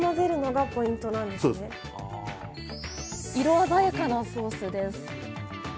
色鮮やかなソースです。